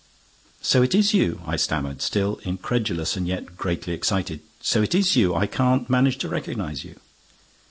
"So it is you!" I stammered, still incredulous and yet greatly excited. "So it is you! I can't manage to recognize you."